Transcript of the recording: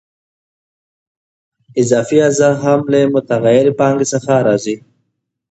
اضافي ارزښت هم له متغیرې پانګې څخه راځي